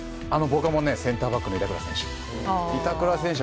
僕はセンターバックの板倉選手。